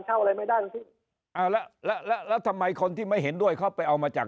เช่าอะไรไม่ได้แล้วทำไมคนที่ไม่เห็นด้วยเขาไปเอามาจาก